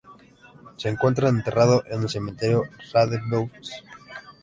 Se encuentra enterrado en el cementerio Radebeul-Ost.